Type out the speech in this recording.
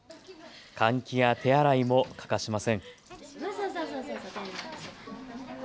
換気や手洗いも欠かしません。